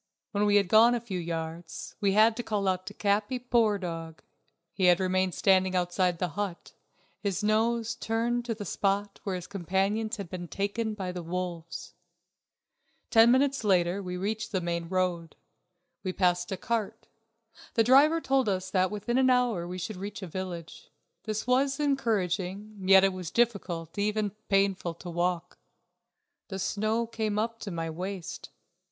When we had gone a few yards we had to call to Capi. Poor dog, he had remained standing outside the hut, his nose turned to the spot where his companions had been taken by the wolves. Ten minutes later we reached the main road. We passed a cart; the driver told us that within an hour we should reach a village. This was encouraging, yet it was difficult, even painful, to walk. The snow came up to my waist.